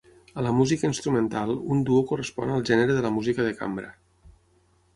A la música instrumental, un duo correspon al gènere de la música de cambra.